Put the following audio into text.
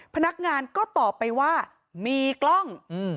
พนักงานก็ตอบไปว่ามีกล้อง